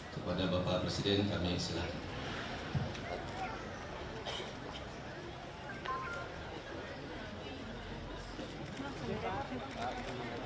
kepada bapak presiden kami silakan